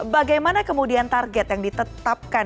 bagaimana kemudian target yang ditetapkan